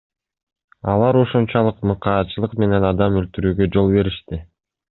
Алар ушунчалык мыкаачылык менен адам өлтүрүүгө жол беришти.